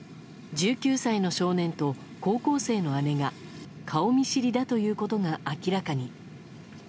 １９歳の少年と高校生の姉が顔見知りだということが明らかに。